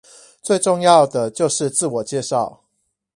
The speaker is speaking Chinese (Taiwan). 最重要的就是自我介紹